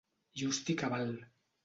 Just i cabal.